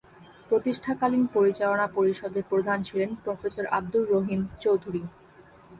প্রতিষ্ঠাকালীন পরিচালনা পরিষদের প্রধান ছিলেন প্রফেসর আবদুর রহিম চৌধুরী।